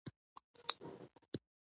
غیرتمند څوک هم نه پلوري